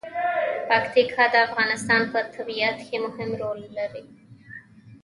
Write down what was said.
پکتیکا د افغانستان په طبیعت کې مهم رول لري.